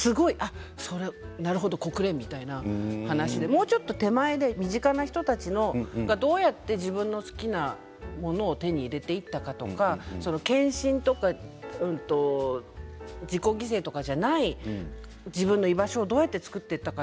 あったとしてもなるほど国連とかもっと身近な人たちがどうやって自分の好きなものを手に入れていたかとか献身とか自己犠牲とかじゃない自分の居場所をどうやって作っていったか。